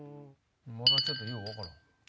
まだちょっとよう分からん。